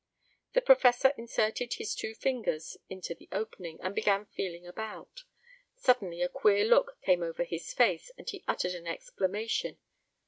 The professor inserted his two fingers in the opening, and began feeling about. Suddenly a queer look came over his face, and he uttered an exclamation.